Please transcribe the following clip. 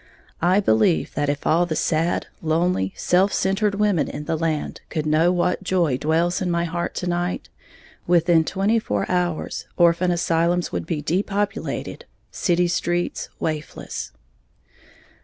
I believe that if all the sad, lonely, self centred women in the land could know what joy dwells in my heart to night, within twenty four hours orphan asylums would be depopulated, city streets waifless.